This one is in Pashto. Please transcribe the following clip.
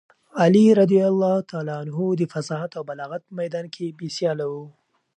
علي رض د فصاحت او بلاغت په میدان کې بې سیاله و.